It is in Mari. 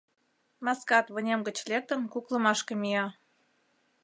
Маскат, вынем гыч лектын, куклымашке мия.